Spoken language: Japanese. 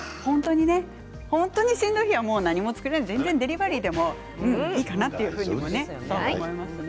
本当にしんどい日は何も作らずにデリバリーでもいいかなって思いますね。